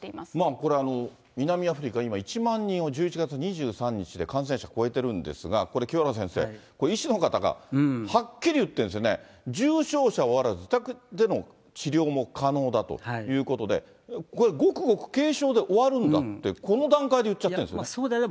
これ、南アフリカ、今、１万人を１１月２３日で感染者超えてるんですが、これ、清原先生、医師の方がはっきり言ってるんですよね、重症者はおらず、自宅での治療も可能だということで、ごくごく軽症で終わるんだって、この段階で言っちゃってるんですよね。